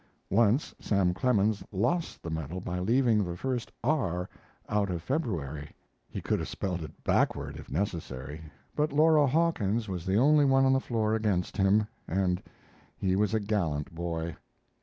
Once Sam Clemens lost the medal by leaving the first "r" out of February. He could have spelled it backward, if necessary; but Laura Hawkins was the only one on the floor against him, and he was a gallant boy.